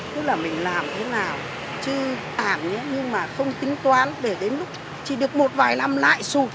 tức là mình làm thế nào chứ tản nhé nhưng mà không tính toán để đến lúc chỉ được một vài năm lại sụt